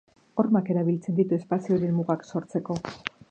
Hormak erabiltzen ditu espazio horien mugak sortzeko.